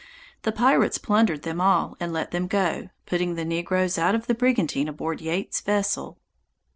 The pirates plundered them all and let them go, putting the negroes out of the brigantine aboard Yeates' vessel.